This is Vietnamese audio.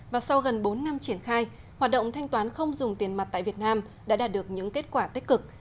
và sau gần bốn năm triển khai hoạt động thanh toán không dùng tiền mặt tại việt nam đã đạt được những kết quả tích cực